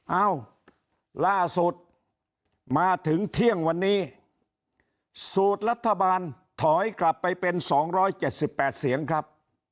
เอ้าล่าสุดมาถึงเที่ยงวันนี้สูตรรัฐบาลถอยกลับไปเป็นสองร้อยเจ็ดสิบแปดเสียงครับ